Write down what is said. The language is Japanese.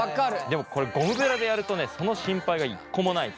でもこれゴムベラでやるとねその心配が一個もないと。